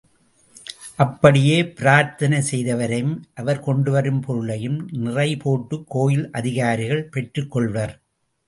அப்படியே பிரார்த்தனை செய்தவரையும் அவர் கொண்டுவரும் பொருளையும் நிறை போட்டு கோயில் அதிகாரிகள் பெற்றுக் கொள்வர்.